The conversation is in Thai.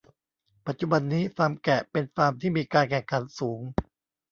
ปัจจุบันนี้ฟาร์มแกะเป็นฟาร์มที่มีการแข่งขันสูง